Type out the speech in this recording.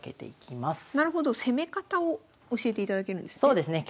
なるほど攻め方を教えていただけるんですね。